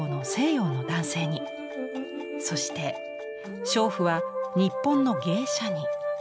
そして娼婦は日本の芸者に。